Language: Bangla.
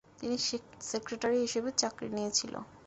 তিনি সেক্রেটারি হিসাবে চাকরি নিয়েছিল।